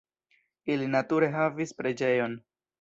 Ili nature havis preĝejon.